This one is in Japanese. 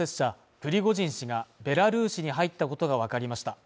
プリゴジン氏がベラルーシに入ったことがわかりました。